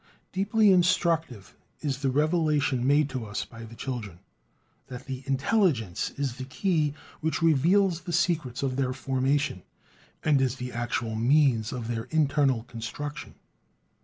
Deeply instructive is the revelation made to us by the children, that "the intelligence" is the key which reveals the secrets of their formation, and is the actual means of their internal construction.